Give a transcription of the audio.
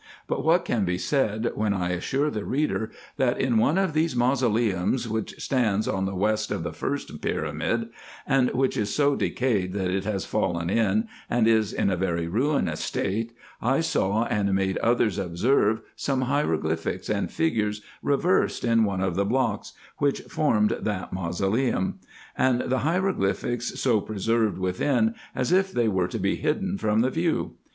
But what can be said when I assure the reader, that in one of these mauso leums, which stands on the west of the first pyramid, and which is so decayed that it has fallen in, and is in a very ruinous state, I saw and made others observe some hieroglyphics and figures reversed in one of the blocks, which formed that mausoleum ; and the hiero glyphics so preserved within, as if they were to be hidden from the view